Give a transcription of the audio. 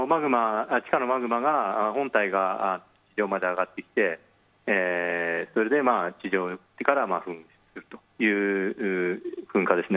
地下のマグマが本体が地上まで上がってきてそれで地上から噴火するという噴火です。